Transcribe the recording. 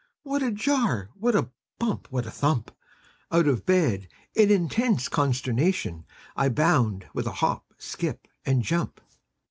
What a jar! what a bump! what a thump! Out of bed, in intense consternation, I bound with a hop, skip, and jump.